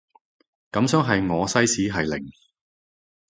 感想係我西史係零